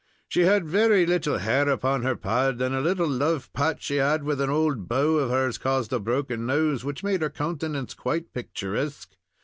She had very little hair upon her pad, and a little love pat she had wid an old beau of hers caused a broken nose, which made her countenance quite picturesque.